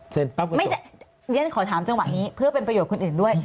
อเรนนี่ขอถามจังหวะนี้เพื่อเป็นประโยชน์คนอื่นด้วย